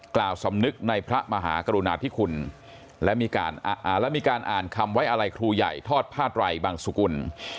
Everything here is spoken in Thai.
กล่าวสำนึกในพระมหากรุณาธิคุณและมีการอ่านคำไว้อะไรครูใหญ่ทอดผ้าไตรบังสุกุล